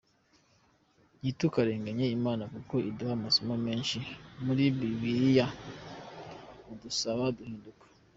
Ntitukarenganye imana kuko iduha amasomo menshi muli Bible adusaba guhinduka.